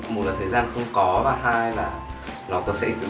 một là thời gian không có và hai là thời gian không có